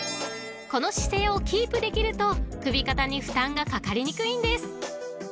［この姿勢をキープできると首肩に負担がかかりにくいんです］